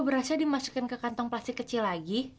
berasnya dimasukin ke kantong plastik kecil lagi